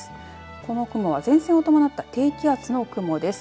この雲は前線を伴った低気圧の雲です。